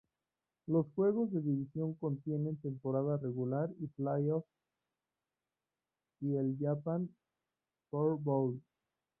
Los juegos de división contienen temporada regular y playoff y el Japan X Bowl.